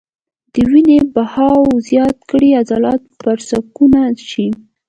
د وينې بهاو زيات کړي عضلات پرسکونه شي -